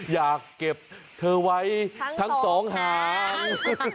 อยากเก็บเธอไว้ทั้งสองหาง